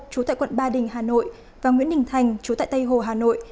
chú tại quận ba đình hà nội và nguyễn đình thành chú tại tây hồ hà nội